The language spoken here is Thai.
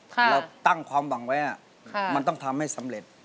แล้วตั้งความหวังไว้น่ะมันต้องทำให้สำเร็จค่ะ